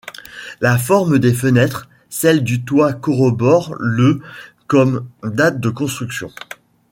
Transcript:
La forme des fenêtres, celle du toit corroborent le comme date de construction.